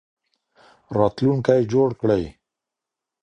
راتلونکی جوړ کړي